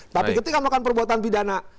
tapi ketika melakukan perbuatan pidana